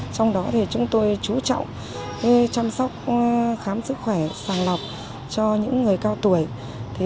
trong đó chúng tôi chú trọng chăm sóc khám sức khỏe sàng lọc cho những người cao tuổi